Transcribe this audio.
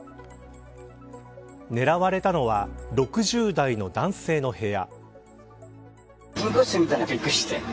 狙われたのは６０代の男性の部屋。